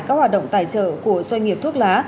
các hoạt động tài trợ của doanh nghiệp thuốc lá